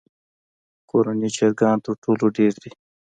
کورني چرګان تر ټولو ډېر دي.